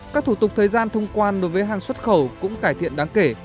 các thủ tục thời gian thông quan đối với hàng xuất khẩu cũng cải thiện đáng kể